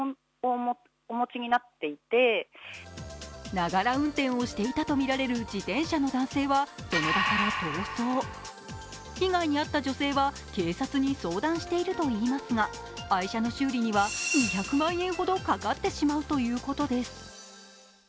ながら運転をしていたとみられる自転車の男性は、その場から逃走被害に遭った女性は警察に相談しているといいますが、愛車の修理には２００万円ほどかかってしまうということです。